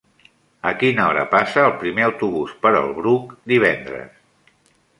A quina hora passa el primer autobús per el Bruc divendres?